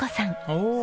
おお。